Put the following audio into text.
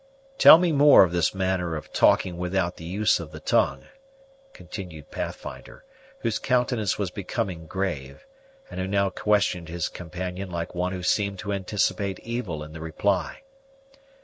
"Tell me more of this manner of talking without the use of the tongue," continued Pathfinder, whose countenance was becoming grave, and who now questioned his companion like one who seemed to anticipate evil in the reply.